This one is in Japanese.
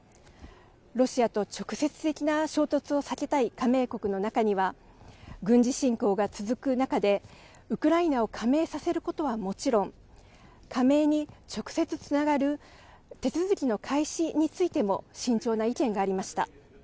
ロシアと直接的な衝突を避けたい加盟国の中には、軍事侵攻が続く中で、ウクライナを加盟させることはもちろん、加盟に直接つながる手続きの開始についても慎重な意見がありました。